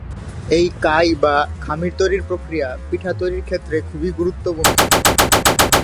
এই কাই বা খামির তৈরির প্রক্রিয়া পিঠা তৈরির ক্ষেত্রে খুবই গুরুত্বপূর্ণ।